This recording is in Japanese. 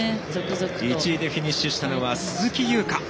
１位でフィニッシュしたのは鈴木優花。